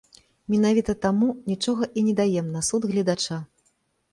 Менавіта таму, нічога і не даем на суд гледача.